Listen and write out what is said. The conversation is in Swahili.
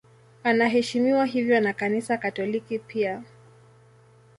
Anaheshimiwa hivyo na Kanisa Katoliki pia.